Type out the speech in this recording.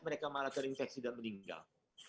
mereka malah terinfeksi dan meninggal